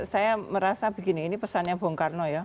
saya merasa begini ini pesannya bung karno ya